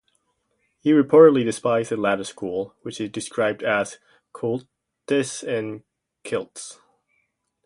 He reportedly despised the latter school, which he described as "Colditz in kilts".